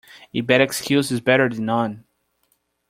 A bad excuse is better then none.